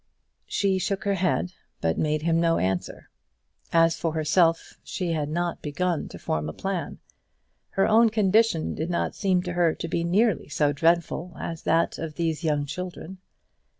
She shook her head, but made him no answer. As for herself she had not begun to form a plan. Her own condition did not seem to her to be nearly so dreadful as that of all these young children.